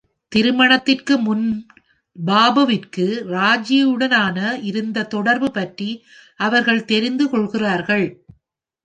திருமணத்திற்கு முன் பாபுவிற்கு ராஜியுடனான இருந்த தொடர்பு பற்றி அவர்கள் தெரிந்துகொள்கிறார்கள்.